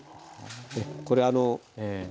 これあの。